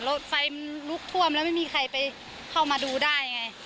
รถไฟลุกท่วมไม่มีใครไปเข้ามาดูได้ไง